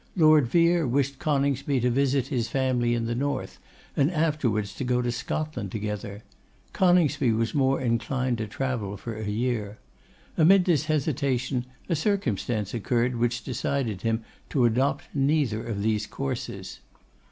Lord Vere wished Coningsby to visit his family in the north, and afterwards to go to Scotland together: Coningsby was more inclined to travel for a year. Amid this hesitation a circumstance occurred which decided him to adopt neither of these courses.